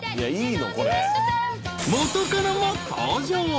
［元カノも登場］